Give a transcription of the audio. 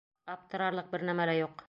Аптырарлыҡ бер нәмә лә юҡ.